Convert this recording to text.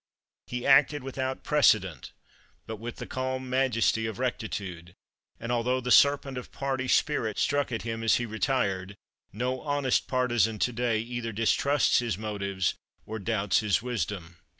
He acted without precedent, but with the calm majesty of rectitude, and although the serpent of party spirit struck at him as he retired, no honest partisan to day either distrusts his motives or doubts his wisdom.